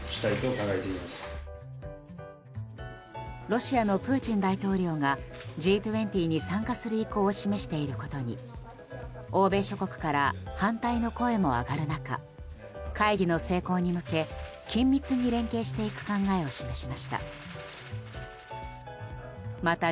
ロシアのプーチン大統領がＧ２０に参加する意向を示していることに欧米諸国から反対の声も上がる中会議の成功に向け緊密に連携していく考えを示しました。